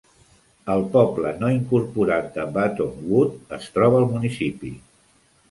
El poble no incorporat de Buttonwood es troba al municipi.